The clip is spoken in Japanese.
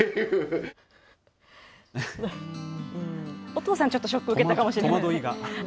お父さん、ちょっとショック受けたかもしれない。